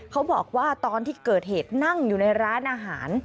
เขาบอกว่าตอนที่เกิดเหตุนั่งอยู่ในร้านอาหาร